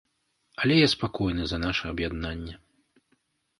Але я спакойны за наша аб'яднанне.